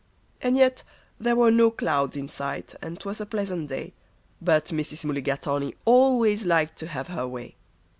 And yet there were no clouds in sight, and 'twas a pleasant day, But Mrs. Mulligatawny always liked to have her way.